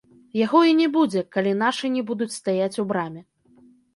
Яго і не будзе, калі нашы не будуць стаяць у браме.